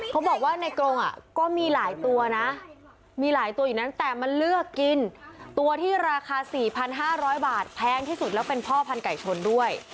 เขาบอกว่าในกรงก็มีหลายตัวนะมีหลายตัวอยู่นั้นแต่มันเลือกกินตัวที่ราคา๔๕๐๐บาทแพงที่สุดแล้วเป็นพ่อพันธุไก่ชนด้วย